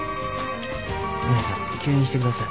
ミナさん吸引してください。